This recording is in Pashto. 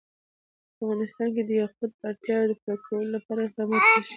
په افغانستان کې د یاقوت د اړتیاوو پوره کولو لپاره اقدامات کېږي.